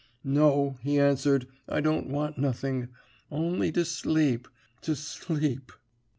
"'No,' he answered. 'I don't want nothing only to sleep, to sleep!'